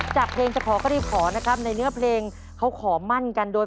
จากเพลงจะขอก็รีบขอนะครับในเนื้อเพลงเขาขอมั่นกันโดย